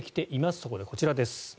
そこでこちらです。